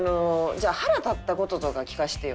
じゃあ腹立った事とか聞かせてよ。